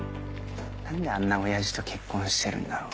何であんな親父と結婚してるんだろうな？